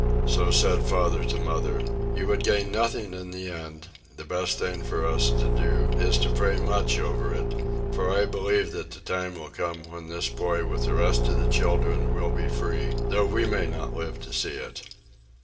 So said father to mother, "You would gain nothing in the end; the best thing for us to do is to pray much over it, for I believe that the time will come when this boy with the rest of the children will be free, though we may not live to see it."